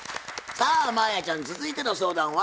さあ真彩ちゃん続いての相談は？